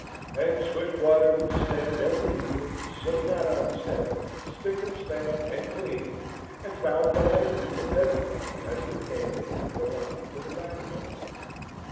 And Swiftwater would stand every evening, silk hat on his head, spick and span, and clean, and bow politely to everybody as they came in through the lobby to the dining hall.